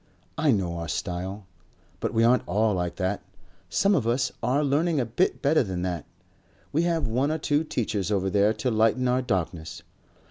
I know our style.... But we aren't all like that. Some of us are learning a bit better than that. We have one or two teachers over there to lighten our darkness.